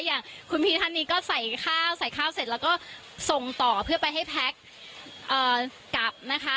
อย่างคุณพี่ท่านนี้ก็ใส่ข้าวใส่ข้าวเสร็จแล้วก็ส่งต่อเพื่อไปให้แพ็คกลับนะคะ